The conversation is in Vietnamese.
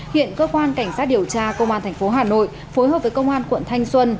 hiện cơ quan cảnh sát điều tra công an tp hà nội phối hợp với công an quận thanh xuân